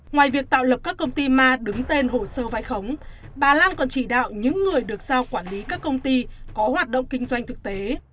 ngoài việc tạo lập các công ty ma đứng tên hồ sơ vai khống bà lan còn chỉ đạo những người được giao quản lý các công ty có hoạt động kinh doanh thực tế